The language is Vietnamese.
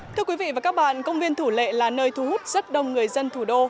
thưa quý vị và các bạn công viên thủ lệ là nơi thu hút rất đông người dân thủ đô